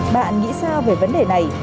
bạn nghĩ sao về vấn đề này